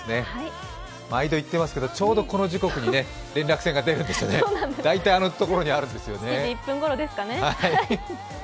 毎度言ってますけど、ちょうどこの時刻に連絡船が出るんですよね、大体あのところにあるんですよね。